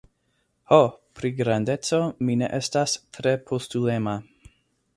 Ho, pri grandeco, mi ne estas tre postulema.